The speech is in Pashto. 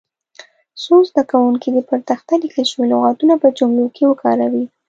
څو زده کوونکي دې پر تخته لیکل شوي لغتونه په جملو کې وکاروي.